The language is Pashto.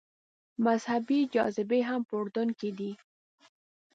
مذهبي جاذبې هم په اردن کې دي.